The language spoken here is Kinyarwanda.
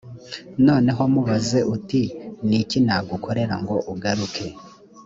noneho mubaze uti ni iki nagukorera ngo ugaruke‽